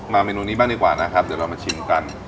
เมนูนี้บ้างดีกว่านะครับเดี๋ยวเรามาชิมกัน